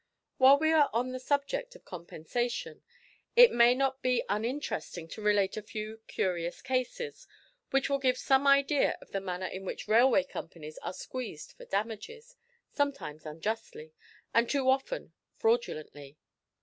While we are on this subject of compensation, it may not be uninteresting to relate a few curious cases, which will give some idea of the manner in which railway companies are squeezed for damages sometimes unjustly, and too often fraudulently.